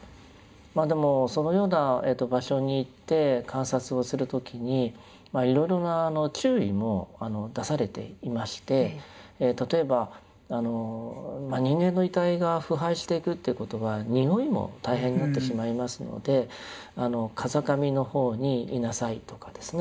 まあでもそのような場所に行って観察をする時にいろいろな注意も出されていまして例えば人間の遺体が腐敗していくっていうことはにおいも大変になってしまいますので風上の方にいなさいとかですね